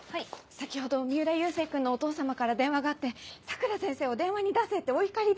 先ほど三浦佑星君のお父様から電話があって佐倉先生を電話に出せってお怒りで。